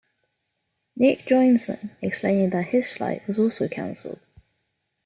Nick joins them, explaining that his flight was also canceled.